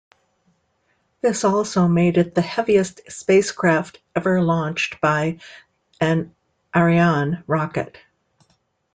This also made it the heaviest spacecraft ever launched by an Ariane rocket.